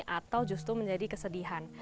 atau justru menjadi kesedihan